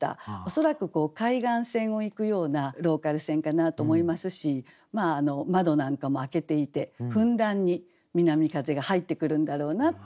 恐らく海岸線を行くようなローカル線かなと思いますし窓なんかも開けていてふんだんに南風が入ってくるんだろうなっていう。